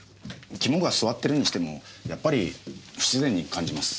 肝が据わってるにしてもやっぱり不自然に感じます。